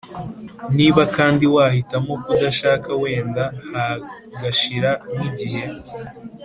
niba kandi wahitamo kudashaka wenda hagashira nk igihe